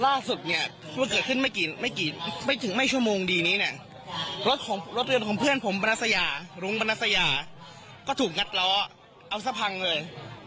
ล่าสุดเกิดขึ้นไม่ถึงไม่ชั่วโมงดีนี้รถยนต์ของเพื่อนผมปนัสยารุ้งปนัสยาก็ถูกงัดล้อเอาซะพังเลย